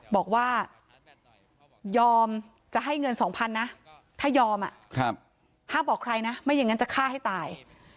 บอกว่ายอมจะให้เงิน๒๐๐๐นะถ้ายอมห้ามบอกใครนะไม่อย่างนั้นจะฆ่าให้ตาย